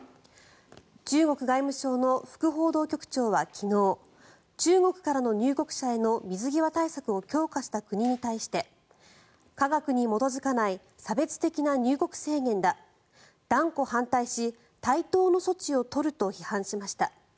中国外務省の副報道局長は昨日中国からの入国者への水際対策を強化した国に対して科学に基づかない差別的な入国制限だ断固反対し、対等の措置を取ると批判しました。